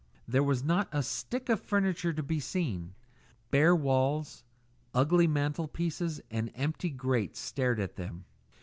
There was not a stick of furniture to be seen. Bare walls, ugly mantel pieces and empty grates stared at them.